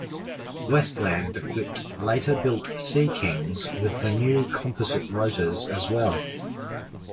Westland equipped later-built Sea Kings with the new composite rotors as well.